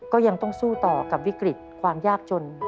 ก็ยังต้องสู้ต่อกับวิกฤตความยากจน